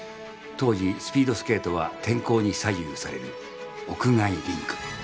当時スピードスケートは天候に左右される屋外リンク。